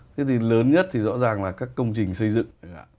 thế thì lớn nhất thì rõ ràng là các công trình xây dựng